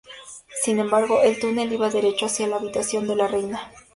Sin embargo, el túnel iba derecho hacia la habitación de la reina.